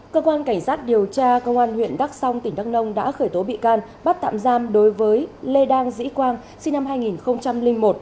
cơ quan cảnh sát điều tra công an huyện đắk song tỉnh đắk nông đã khởi tố bị can bắt tạm giam đối với lê đang dĩ quang sinh năm hai nghìn một